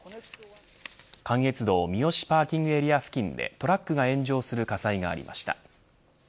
関越道三芳パーキングエリア付近でトラックが炎上する火災がありました。